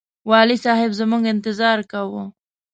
والي صاحب زموږ انتظار کاوه.